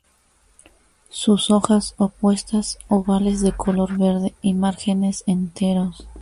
Sus hojas, opuestas, ovales de color verde y márgenes enteros.